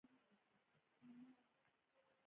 د ترک غلامانو او خلجیانو ترمنځ توپیر موجود و.